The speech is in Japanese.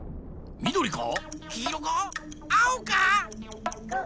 みどりか？